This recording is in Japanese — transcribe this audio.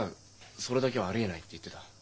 それだけはありえない」って言ってた。